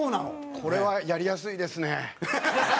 これはやりやすいですね。